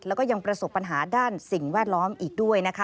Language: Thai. แล้วก็ยังประสบปัญหาด้านสิ่งแวดล้อมอีกด้วยนะคะ